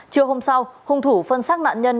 chưa hôm sau hung thủ phân xác nạn nhân